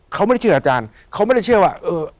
เขาไม่ได้เชื่ออาจารย์เขาไม่ได้เชื่อว่าเออ